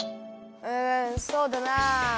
うんそうだなあ。